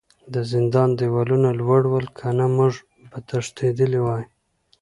د زندان دیوالونه لوړ ول کنه موږ به تښتیدلي وای